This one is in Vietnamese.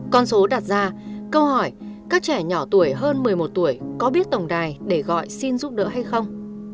con số đặt ra câu hỏi các trẻ nhỏ tuổi hơn một mươi một tuổi có biết tổng đài để gọi xin giúp đỡ hay không